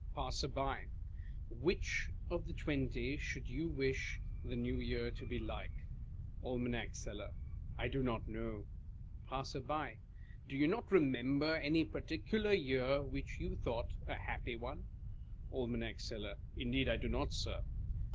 Passer. Which of the twenty should you wish the New Year to be like ? Aim. Seller. I do not know. Passer, Do you not remember any particular year which you thought a happy one ? Aim. Seller. Indeed I do not, Sir.